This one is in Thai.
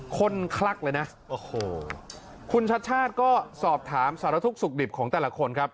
คลักเลยนะโอ้โหคุณชัดชาติก็สอบถามสารทุกข์สุขดิบของแต่ละคนครับ